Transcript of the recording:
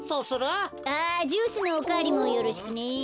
あジュースのおかわりもよろしくね。